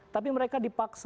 tapi mereka dipaksa